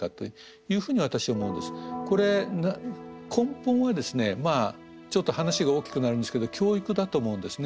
これ根本はですねまあちょっと話が大きくなるんですけど教育だと思うんですね。